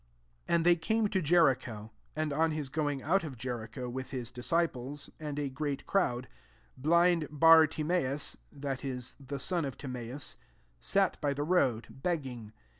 46 And they came to Jericho: and on his going out of Jericho, with his disciples, and a great crowd, blind Bartimeus, {that M, the son of Timeus,) sat by the road, begging.